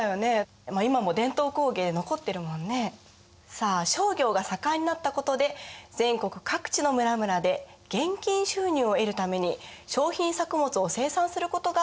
さあ商業が盛んになったことで全国各地の村々で現金収入を得るために商品作物を生産することが多くなったんです。